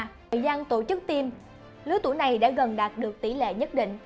trong thời gian tổ chức tiêm lứa tuổi này đã gần đạt được tỷ lệ nhất định